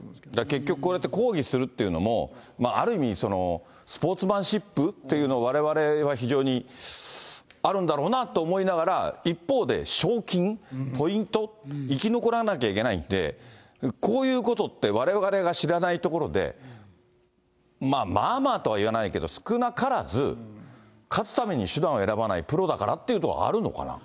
結局こうやって抗議するっていうのも、ある意味、スポーツマンシップというのを、われわれは非常にあるんだろうなと思いながら、一方で賞金、ポイント、生き残らなきゃいけないんで、こういうことって、われわれが知らないところで、まあまあとは言わないけど、少なからず、勝つために手段を選ばないプロだからっていうのはあるのかな。